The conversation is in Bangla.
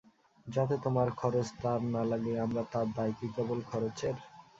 যাতে তোমার খরচ তাঁর না লাগে আমরা তার– দায় কি কেবল খরচের?